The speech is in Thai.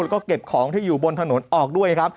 แล้วก็เก็บของที่อยู่บนถนนออกด้วยครับ